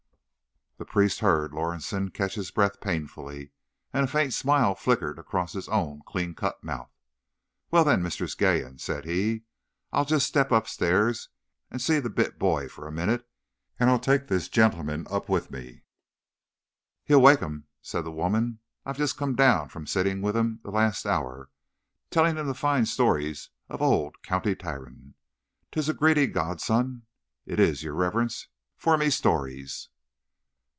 The priest heard Lorison catch his breath painfully, and a faint smile flickered across his own clean cut mouth. "Well, then, Mistress Geehan," said he, "I'll just step upstairs and see the bit boy for a minute, and I'll take this gentleman up with me." "He's awake, thin," said the woman. "I've just come down from sitting wid him the last hour, tilling him fine shtories of ould County Tyrone. 'Tis a greedy gossoon, it is, yer riverence, for me shtories."